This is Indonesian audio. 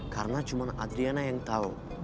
karena cuma adriana yang tau